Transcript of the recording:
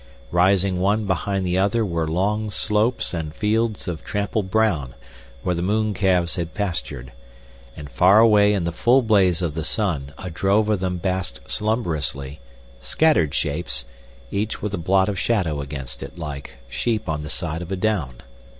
Rising one behind the other were long slopes and fields of trampled brown where the mooncalves had pastured, and far away in the full blaze of the sun a drove of them basked slumberously, scattered shapes, each with a blot of shadow against it like sheep on the side of a down.